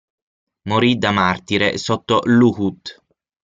Morì da martire sotto l'Uhud.